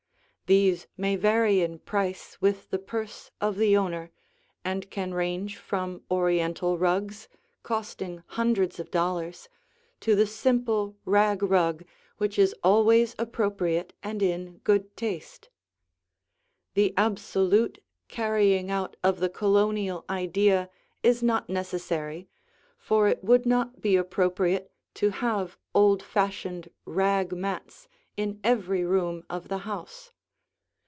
These may vary in price with the purse of the owner, and can range from Oriental rugs, costing hundreds of dollars, to the simple rag rug which is always appropriate and in good taste. The absolute carrying out of the Colonial idea is not necessary, for it would not be appropriate to have old fashioned rag mats in every room of the house.